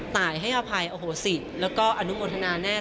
ตายให้อภัยโอ้โหสิแล้วก็อนุโมทนาแน่น